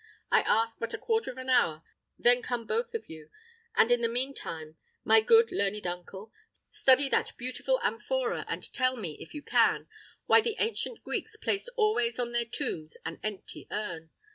I ask but a quarter of an hour, then come both of you; and in the mean time, my good learned uncle, study that beautiful amphora, and tell me, if you can, why the ancient Greeks placed always on their tombs an empty urn.